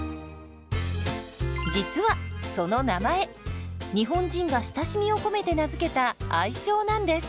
実はその名前日本人が親しみを込めて名付けた愛称なんです。